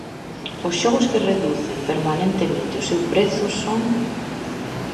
Os xogos que reducen permanentemente o seu prezo son...